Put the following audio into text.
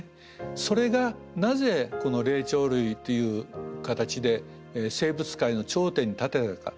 それがなぜこの霊長類という形で生物界の頂点に立てたか。